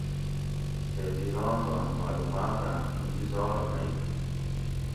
تے دی ران ران معلوماۤتاۤں انتظار مئی تُھو